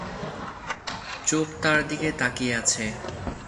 চোখ তার দিকে তাকিয়ে আছে।